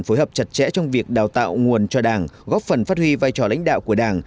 phối hợp chặt chẽ trong việc đào tạo nguồn cho đảng góp phần phát huy vai trò lãnh đạo của đảng